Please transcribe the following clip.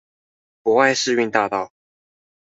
博愛世運大道